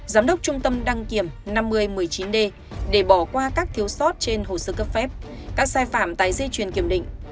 giám đốc trung tâm đăng kiểm năm nghìn một mươi chín d để bỏ qua các thiếu sót trên hồ sơ cấp phép các sai phạm tái di chuyển kiểm định